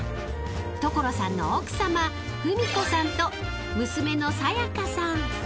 ［所さんの奥さま文子さんと娘のさやかさん］